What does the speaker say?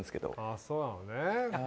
そうなのね。